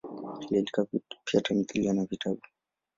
Aliandika pia tamthilia na vitabu.